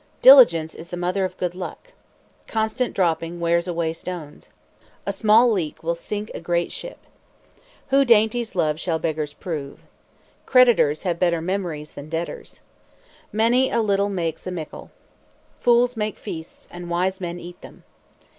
"Diligence is the mother of good luck." "Constant dropping wears away stones." "A small leak will sink a great ship." "Who dainties love shall beggars prove." "Creditors have better memories than debtors." "Many a little makes a mickle." "Fools make feasts and wise men eat them."